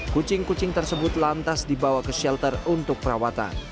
kucing kucing tersebut lantas dibawa ke syarikat